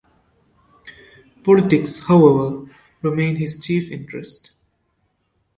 Politics, however, remained his chief interest.